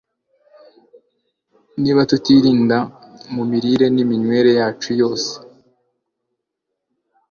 niba tutirinda mu mirire n'iminywere yacu yose